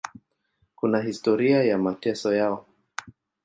Kuna historia ya mateso yao.